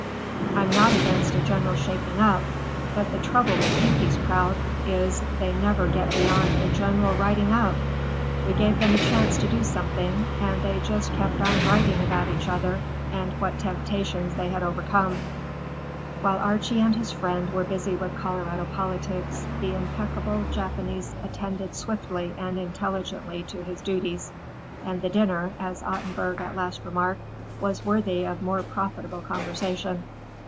I'm not against a general shaking up, but the trouble with Pinky's crowd is they never get beyond a general writing up. We gave them a chance to do something, and they just kept on writing about each other and what temptations they had overcome." While Archie and his friend were busy with Colorado politics, the impeccable Japanese attended swiftly and intelligently to his duties, and the dinner, as Ottenburg at last remarked, was worthy of more profitable conversation.